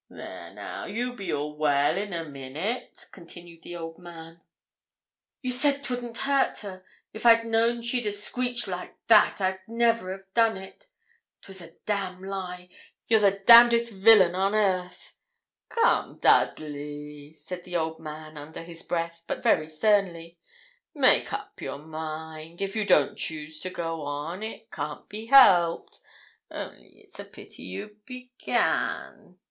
'There now, you'll be all well in a minute,' continued the old man. 'You said 'twouldn't hurt her. If I'd a known she'd a screeched like that I'd never a done it. 'Twas a damn lie. You're the damndest villain on earth.' 'Come, Dudley!' said the old man under his breath, but very sternly, 'make up your mind. If you don't choose to go on, it can't be helped; only it's a pity you began.